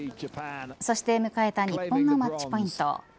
そして迎えた日本のマッチポイント。